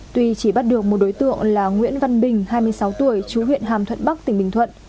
tuy chỉ bắt được một đối tượng là nguyễn văn bình hai mươi sáu tuổi chú huyện hàm thuận bắc tỉnh bình thuận